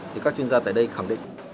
thì các chuyên gia tại đây khẳng định